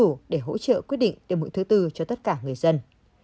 nó không đủ để hỗ trợ quyết định tiêm mũi thứ tư cho tất cả người dân